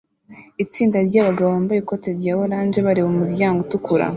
Itsinda ryabagabo bambaye ikoti rya orange bareba umuryango utukura